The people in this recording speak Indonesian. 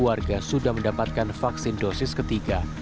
warga sudah mendapatkan vaksin dosis ketiga